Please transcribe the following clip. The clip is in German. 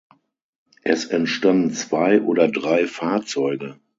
Es entstanden zwei oder drei Fahrzeuge.